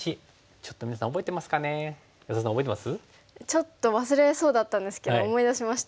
ちょっと忘れそうだったんですけど思い出しました。